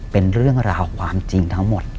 เป็นเรื่องราวความจริงทั้งหมด